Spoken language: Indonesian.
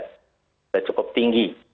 sudah cukup tinggi